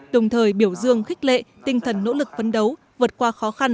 đồng thời biểu dương khích lệ tinh thần nỗ lực phấn đấu vượt qua khó khăn